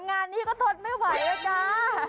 งานนี้ก็ทนไม่ไหวแล้วจ้า